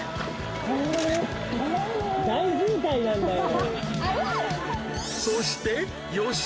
大渋滞なんだよ。